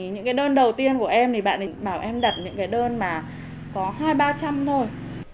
những đơn đầu tiên của em bạn ấy bảo em đặt những đơn có hai ba trăm linh thôi